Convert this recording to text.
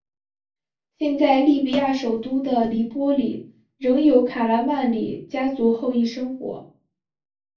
现在利比亚首都的黎波里仍有卡拉曼里家族后裔生活。